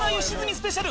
スペシャル